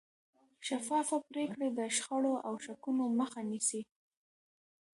شفافه پرېکړې د شخړو او شکونو مخه نیسي